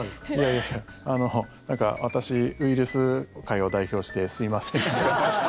いやいやなんか私、ウイルス界を代表してすいませんでした。